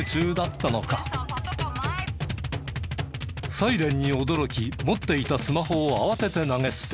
サイレンに驚き持っていたスマホを慌てて投げ捨て。